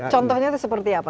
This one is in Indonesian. contohnya itu seperti apa